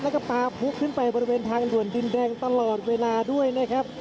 แล้วก็ปลาพุกขึ้นไปบริเวณทางด่วนดินแดงตลอดเวลาด้วยนะครับ